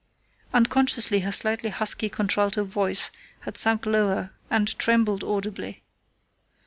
Unconsciously her slightly husky contralto voice had sunk lower and trembled audibly.